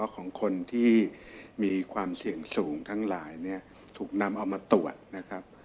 ของคนที่มีความเสี่ยงสูงทั้งหลายเนี่ยถูกนำเอามาตรวจนะครับ